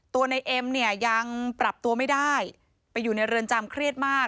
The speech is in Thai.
ในเอ็มเนี่ยยังปรับตัวไม่ได้ไปอยู่ในเรือนจำเครียดมาก